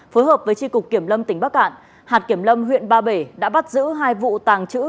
phối hợp với tri cục kiểm lâm tỉnh bắc cạn hạt kiểm lâm huyện ba bể đã bắt giữ hai vụ tàng trữ